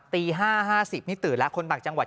ตี๕๕๐นี่ตื่นแล้วคนต่างจังหวัด